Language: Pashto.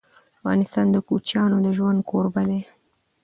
افغانستان د کوچیانو د ژوند کوربه دی.